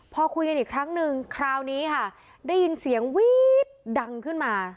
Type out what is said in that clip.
พอคุยกันอีกครั้งหนึ่งคราวนี้ค่ะได้ยินเสียงวี๊ดดังขึ้นมา